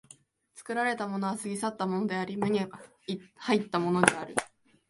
作られたものは過ぎ去ったものであり、無に入ったものである。